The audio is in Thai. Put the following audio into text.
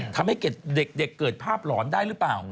ทำให้เด็กเกิดภาพหลอนได้หรือเปล่า